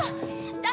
「誰？